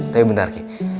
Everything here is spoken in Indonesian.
tapi bentar kiki